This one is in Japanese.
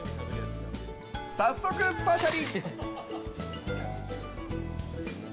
早速、パシャリ！